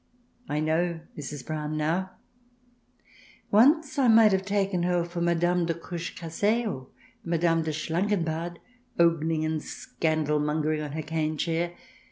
I know Mrs. Brown now ; once I might have taken her for Madame de la Cruchecassee, or Madame de Schlangenbad, ogling and scandalmongering on her cane chair.